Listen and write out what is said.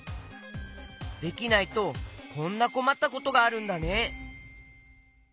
できないとこんなこまったことがあるんだね。